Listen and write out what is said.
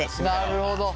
なるほど。